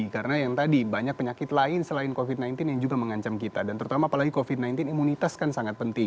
karena yang tadi banyak penyakit lain selain covid sembilan belas yang kita lakukan adalah makanan yang kita lakukan adalah makanan yang kita lakukan adalah makanan yang kita lakukan